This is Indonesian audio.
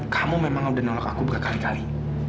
kamu memang sudah menolak aku berkali kali